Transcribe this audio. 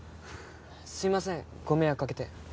すいませんご迷惑かけて。